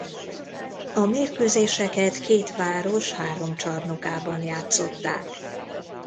A mérkőzéseket két város három csarnokában játszották.